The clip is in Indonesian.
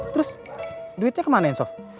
terus duitnya kemanain sof